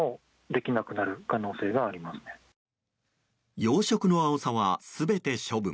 養殖のアオサは全て処分。